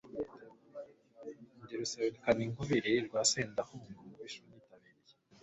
Ndi Rusalikaninkubili rwa Sendahunga, Umubisha unyitabiriye